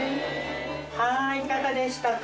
はいいかがでしたか？